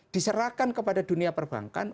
diserahkan kepada dunia perbankan